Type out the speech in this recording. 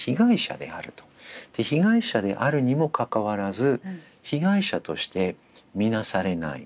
で被害者であるにもかかわらず被害者として見なされない。